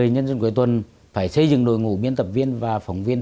nhân dân cuối tuần phải xây dựng đội ngũ biên tập viên và phóng viên